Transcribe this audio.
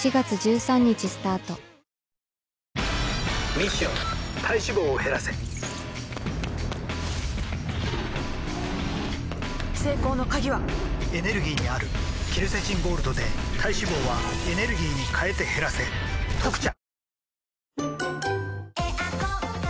ミッション体脂肪を減らせ成功の鍵はエネルギーにあるケルセチンゴールドで体脂肪はエネルギーに変えて減らせ「特茶」